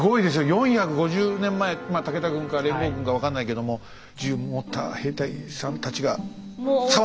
４５０年前武田軍か連合軍か分かんないけども銃を持った兵隊さんたちが触ったかもしれない。